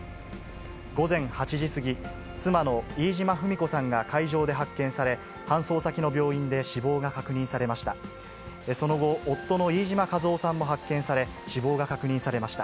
午前８時過ぎ、妻の飯島ふみ子さんが海上で発見され、搬送先の病院で死亡が確認されました。